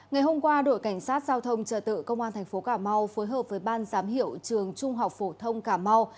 ngày hôm qua đội cảnh sát giao thông trật tự công an tp cà mau phối hợp với ban giám hiệu trường trung học phổ thông cà mau